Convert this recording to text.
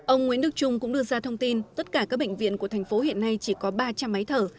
ông nguyễn đức trung cũng đưa ra thông tin tất cả các bệnh viện của thành phố hiện nay chỉ có ba trăm linh máy thở